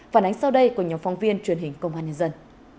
phản ánh sau đây của nhóm phóng viên truyền hình công an nhân dân